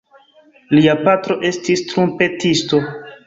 Lia patro estis trumpetisto.